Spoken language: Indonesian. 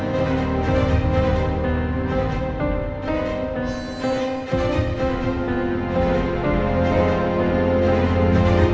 langsung berlapvis berkahan kahan dengan teman teman